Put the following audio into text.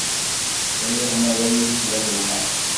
Riɣ mi ara yismiḍ lḥal.